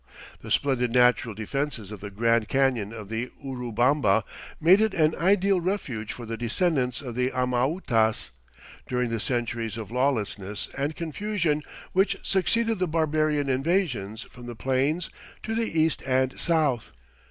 The splendid natural defenses of the Grand Canyon of the Urubamba made it an ideal refuge for the descendants of the Amautas during the centuries of lawlessness and confusion which succeeded the barbarian invasions from the plains to the east and south.